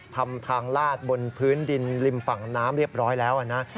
ทำทางลาดบนพื้นดินริมฝั่งน้ำเรียบร้อยแล้วนะ